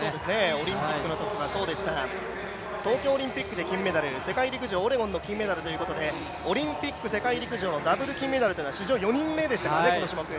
オリンピックのときはそうでした、東京オリンピックで金メダル、世界陸上オレゴンの金メダルということでオリンピック、世界陸上のダブル金メダルというのは、史上４人目でしたかね、この種目。